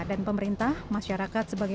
dan pemerintah masyarakat sebagai